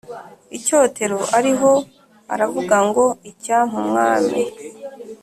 icyotero ariho aravuga ngo Icyampa Umwami